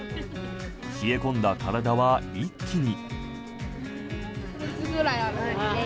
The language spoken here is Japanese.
冷え込んだ体は一気に。